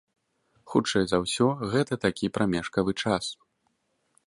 Хутчэй за ўсё, гэта такі прамежкавы час.